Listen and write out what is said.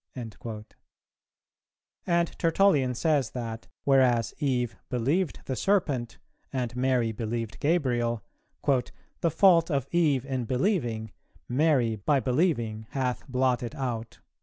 '"[416:1] And Tertullian says that, whereas Eve believed the Serpent, and Mary believed Gabriel, "the fault of Eve in believing, Mary by believing hath blotted out."